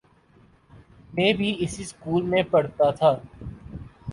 میں بھی اسی سکول میں پڑھتا تھا۔